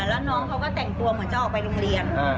แล้วน้องเขาก็แต่งตัวเหมือนจะออกไปโรงเรียน